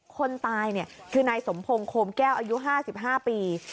คนตายคือนายสมพงศ์โคมแก้วอายุ๕๕ปี